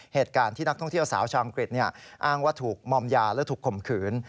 เหตุการณ์ที่นักท่องเที่ยวสาวชาวอังกฤษอ้างว่าถูกมอมยาและถูกข่มขืน